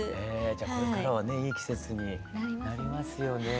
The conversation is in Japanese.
これからはねいい季節になりますよね。